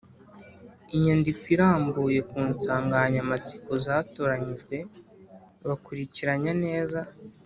imyandiko irambuye ku nsanganyamatsiko zatoranyijwe bakurikiranya neza